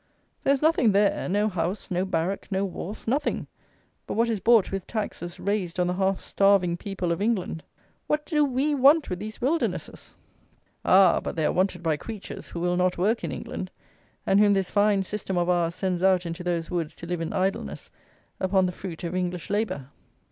There is nothing there, no house, no barrack, no wharf, nothing, but what is bought with taxes raised on the half starving people of England. What do we want with these wildernesses? Ah! but they are wanted by creatures who will not work in England, and whom this fine system of ours sends out into those woods to live in idleness upon the fruit of English labour.